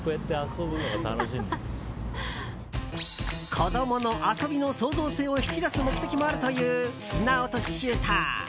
子供の遊びの創造性を引き出す目的もあるという砂落としシューター。